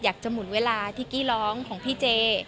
อยากจะหมุนเวลาที่กี้ร้องของพี่เจ๊